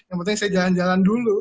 yang penting saya jalan jalan dulu